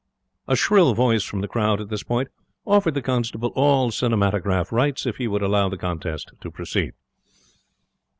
A shrill voice from the crowd at this point offered the constable all cinematograph rights if he would allow the contest to proceed.